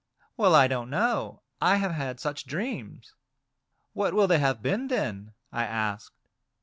"Well, I don't know, I have had such dreams." " What will they have been, then ?" I asked.